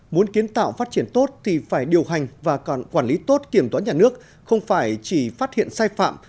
muốn kiến tạo phát triển tốt thì phải điều hành và còn quản lý tốt kiểm toán nhà nước không phải chỉ phát hiện sai phạm